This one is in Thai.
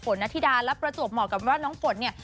นาธิดาและประจวบเหมาะกับว่าน้องฝนเนี่ย